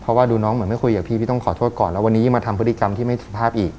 เพราะว่าดูน้องเหมือนไม่คุยกับพี่พี่ต้องขอโทษก่อนแล้ววันนี้มาทำพฤติกรรมที่ไม่สุภาพอีก